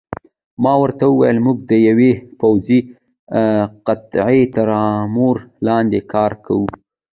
ما ورته وویل: موږ د یوې پوځي قطعې تر امر لاندې کار کوو.